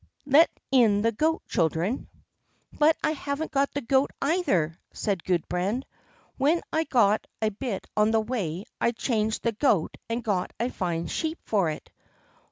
Let in the goat, children." "But I haven't got the goat either," said Gudbrand. "When I got a bit on the way I changed the goat and got a fine sheep for it."